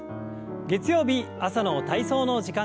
月曜日朝の体操の時間です。